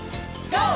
ＧＯ！